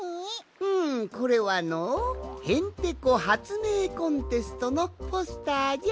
うんこれはの「へんてこはつめいコンテスト」のポスターじゃ。